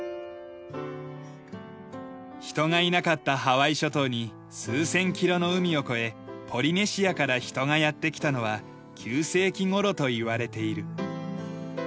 人がいなかったハワイ諸島に数千キロの海を越えポリネシアから人がやって来たのは９世紀ごろといわれている。